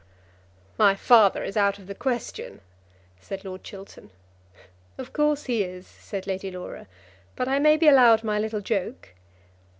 "My father is out of the question," said Lord Chiltern. "Of course he is," said Lady Laura, "but I may be allowed my little joke."